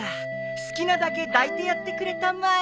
好きなだけ抱いてやってくれたまえ。